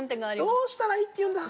どうしたらいいっていうんだ